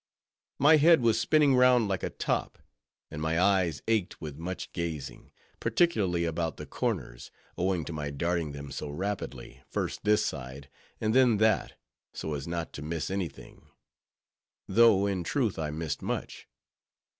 My head was spinning round like a top, and my eyes ached with much gazing; particularly about the corners, owing to my darting them so rapidly, first this side, and then that, so as not to miss any thing; though, in truth, I missed much.